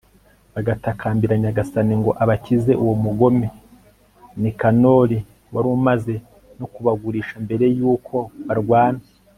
bagatakambira nyagasani ngo abakize uwo mugome nikanori wari umaze no kubagurisha mbere y'uko barwana